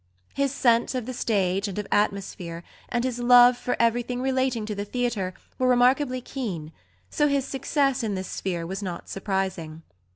His sense of the stage and of atmosphere and his love for everything relating to the theatre were remarkably keen; so his success in this sphere was not surprising.